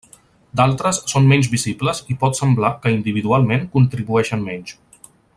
D'altres són menys visibles i pot semblar que, individualment, contribueixen menys.